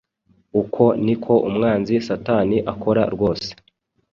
Uko niko umwanzi Satani akora rwose